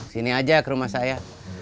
sini aja ke rumah saya